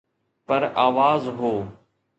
پر آواز هو.